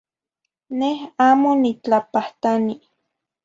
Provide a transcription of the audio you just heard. Neh amo nitlapahtani.